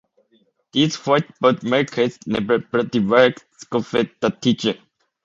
"These whiteboard markers never bloody work", Scoffed the teacher.